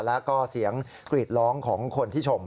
แล้วก็เสียงกรีดร้องของคนที่ชม